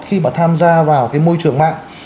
khi mà tham gia vào cái môi trường mạng